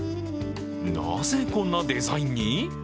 なぜこんなデザインに？